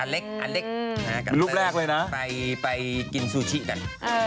เป็นรูปแรกเลยนะไปกินซูชิกัน